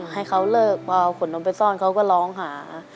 ให้เขาเลิกพอเอาขนมไปซ่อนเขาก็ร้องหา